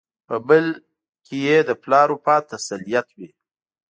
په بل کې یې د پلار وفات تسلیت وي.